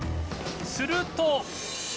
すると